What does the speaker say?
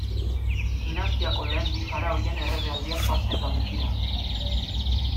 Dinastiako lehen bi faraoien erregealdiak pasa eta gutxira.